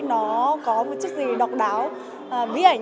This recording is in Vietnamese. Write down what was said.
nó có một chút gì độc đáo bí ảnh